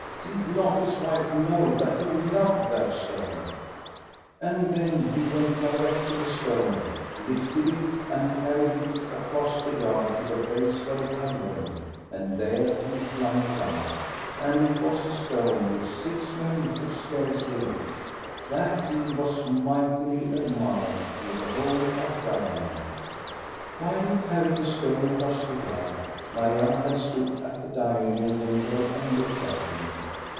Did not his wife know that he loved that stone ? And then he went direct to the stone, lifted it, and carried it across the yard to the place where it had lain, and there he flung it down. And it was a stone which six men could scarcely lift. That deed was mightily admired through the whole of Varmland. While he carried the stone across the yard, Mari anne had stood at the dining room window and looked at him.